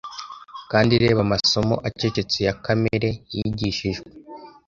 Kandi reba amasomo acecetse ya Kamere, yigishijwe